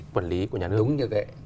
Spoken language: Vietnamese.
quản lý của nhà nước đúng như vậy